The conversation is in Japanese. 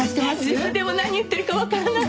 自分でも何言ってるかわからない。